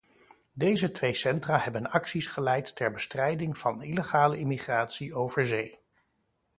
Deze twee centra hebben acties geleid ter bestrijding van illegale immigratie over zee.